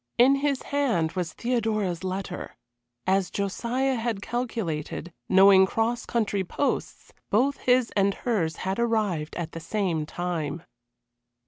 In his hand was Theodora's letter. As Josiah had calculated, knowing cross country posts, both his and hers had arrived at the same time.